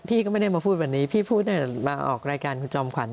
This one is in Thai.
พี่ก็ไม่ได้มาพูดวันนี้พี่พูดมาออกรายการคุณจอมขวัญ